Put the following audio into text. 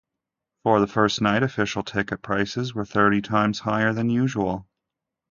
For the first night, official ticket prices were thirty times higher than usual.